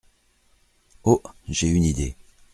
Oh ! j’ai une idée.